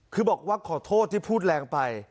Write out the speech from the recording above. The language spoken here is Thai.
คือบอกว่าขอโทษที่พูดแรงไป